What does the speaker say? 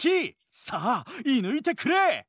さあ射ぬいてくれ！